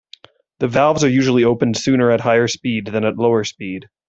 The valves are usually opened sooner at higher speed than at lower speed.